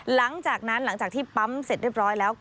หลังจากนั้นหลังจากที่ปั๊มเสร็จเรียบร้อยแล้ว